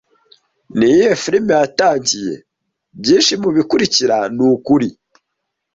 Niyihe firime yatangiye "Byinshi mubikurikira nukuri"